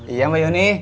iya mbak yuni